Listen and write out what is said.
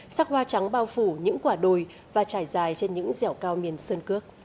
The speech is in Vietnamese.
sắc hoa trắng bao phủ những quả đồi và trải dài trên những dẻo cao miền sơn cước